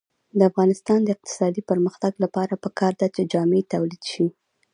د افغانستان د اقتصادي پرمختګ لپاره پکار ده چې جامې تولید شي.